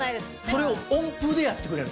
それを温風でやってくれる。